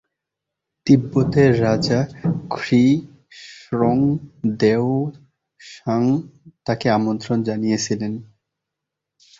তিব্বতের রাজা খ্রি-স্রোং-দেউ-ৎসাং তাঁকে আমন্ত্রণ জানিয়েছিলেন।